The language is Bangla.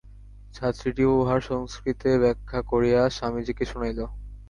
ছাত্রীটিও উহার সংস্কৃতে ব্যাখ্যা করিয়া স্বামীজীকে শুনাইল।